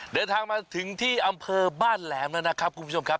เดินทางมาถึงที่อำเภอบ้านแหลมแล้วนะครับคุณผู้ชมครับ